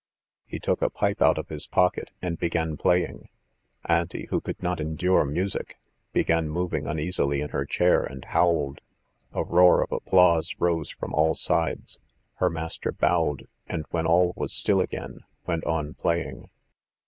He took a pipe out of his pocket, and began playing. Auntie, who could not endure music, began moving uneasily in her chair and howled. A roar of applause rose from all sides. Her master bowed, and when all was still again, went on playing.